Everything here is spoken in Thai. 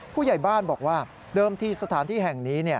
ผู้ใหญ่บ้านบอกว่าเดิมที่สถานที่แห่งนี้